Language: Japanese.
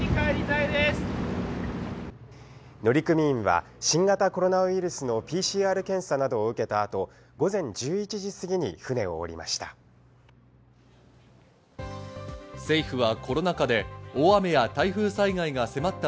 乗組員は新型コロナウイルスのＰＣＲ検査などを受けた後、午前１１時すぎに船を降りました。